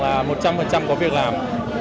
là một trăm linh có việc làm